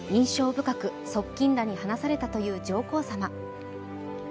深く側近らに話されたという上皇さま。